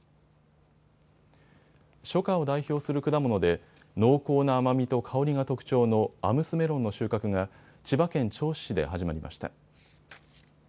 初夏を代表する果物で濃厚な甘みと香りが特徴のアムスメロンの収穫が千葉県銚子市で始まりました。